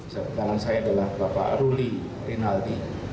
saya adalah bapak ruli rinaldi